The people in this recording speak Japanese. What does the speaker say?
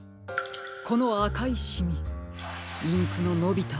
このあかいシミインクののびたあと。